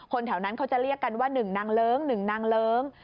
แถวนั้นเขาจะเรียกกันว่า๑นางเลิ้ง๑นางเลิ้ง